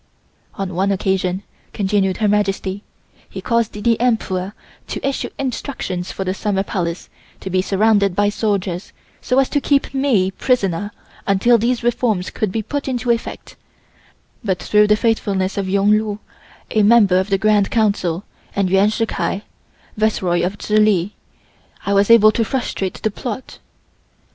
"On one occasion," continued Her Majesty, "he caused the Emperor to issue instructions for the Summer Palace to be surrounded by soldiers so as to keep me prisoner until these reforms could be put into effect, but through the faithfulness of Yung Lu, a member of the Grand Council, and Yuan Shill Kai, Viceroy of Chihli, I was able to frustrate the plot.